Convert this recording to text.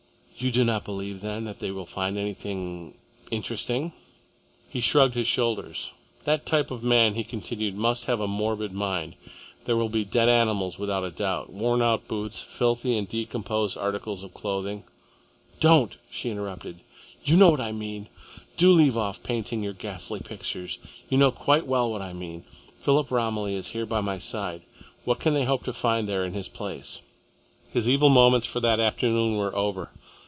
"You do not believe, then, that they will find anything interesting?" He shrugged his shoulders. "That type of man," he continued, "must have a morbid mind. There will be dead animals without a doubt, worn out boots, filthy and decomposed articles of clothing " "Don't!" she interrupted. "You know what I mean. Do leave off painting your ghastly pictures. You know quite well what I mean. Philip Romilly is here by my side. What can they hope to find there in his place?" His evil moments for that afternoon were over.